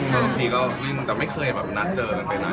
บางทีก็วิ่งแต่ไม่เคยแบบนัดเจอกันไปเลย